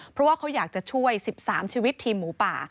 เพราะว่าเขาอยากจะช่วย๑๓ชีวิตทีมหมูป่า